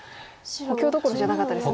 補強どころじゃなかったですね。